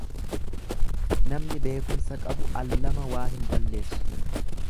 Namni beekumsa qabu al lama waa hin balleessu.